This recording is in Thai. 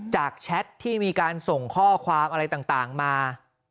แชทที่มีการส่งข้อความอะไรต่างมา